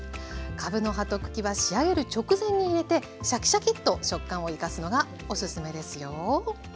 かぶの葉と茎は仕上げる直前に入れてシャキシャキッと食感を生かすのがおすすめですよ。